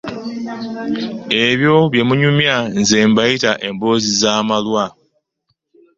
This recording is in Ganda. Ebyo bye munyumya ze bayita emboozi z'amalwa.